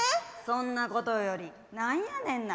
そんなことより何やねんな